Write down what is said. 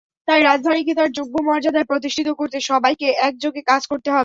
তাই রাজধানীকে তার যোগ্য মর্যাদায় প্রতিষ্ঠিত করতে সবাইকে একযোগে কাজ করতে হবে।